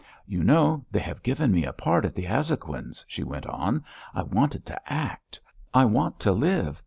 "You know, they have given me a part at the Azhoguins'," she went on. "I wanted to act. I want to live.